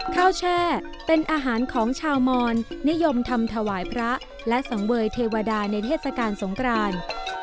แช่เป็นอาหารของชาวมอนนิยมทำถวายพระและสังเวยเทวดาในเทศกาลสงคราน